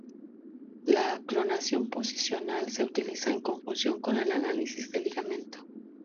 La clonación posicional se utiliza en conjunción con el análisis de ligamiento.